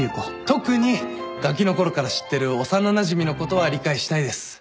特にがきのころから知ってる幼なじみのことは理解したいです。